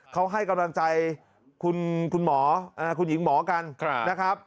เขากดให้กำลังใจคุณหญิงหมอกันนะครับ